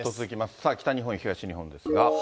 さあ北日本、東日本ですが。